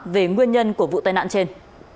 về nguyên nhân của vụ tai nạn trên